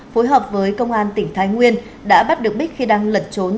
phối hợp với công an tỉnh thái nguyên đã bắt được bích khi đang lẩn trốn